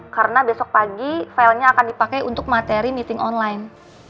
karena besok pagi filenya akan dipakai untuk materi meeting online